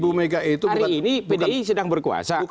hari ini pdi sedang berkuasa